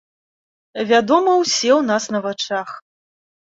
Вядома, усе ў нас на вачах.